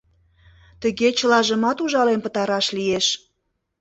Тыге чылажымат ужален пытараш лиеш.